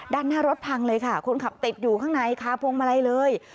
ด้านหน้ารถพังเลยค่ะคนขับติดอยู่ข้างในคาพวงมาลัยเลย